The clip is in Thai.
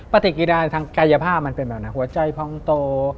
ปฏิกิราทางกายภาพมันเป็นแบบนั้นหัวใจพองโต